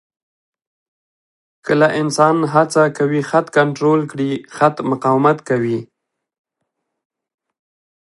کله انسان هڅه کوي خط کنټرول کړي، خط مقاومت کوي.